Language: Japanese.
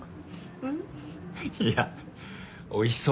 うん。